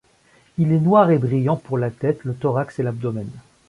Il est noir et brillant pour la tête, le thorax et l'abdomen.